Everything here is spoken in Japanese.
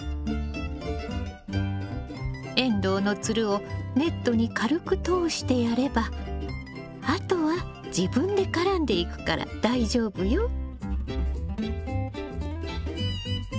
エンドウのつるをネットに軽く通してやればあとは自分で絡んでいくから大丈夫よ。